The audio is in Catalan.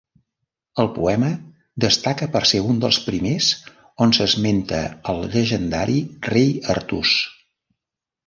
El poema destaca per ser un dels primers on s'esmenta el llegendari rei Artús.